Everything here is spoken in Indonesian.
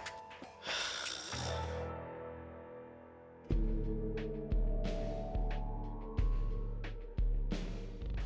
kita harus berjalan